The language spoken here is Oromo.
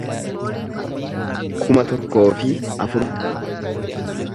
kuma tokkoo fi afur